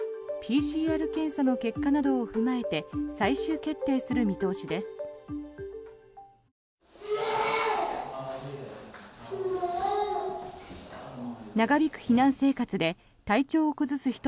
ＰＣＲ検査の結果などを踏まえて最終決定する見通しです。